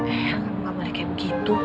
el kamu gak mau lagi kayak begitu